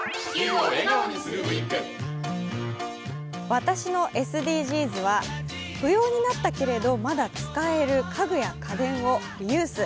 私のＳＤＧｓは、不要になったけれどまだ使える家具や家電をリユース。